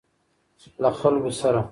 له خلکو سره.